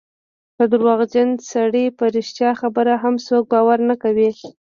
د درواغجن سړي په رښتیا خبره هم څوک باور نه کوي.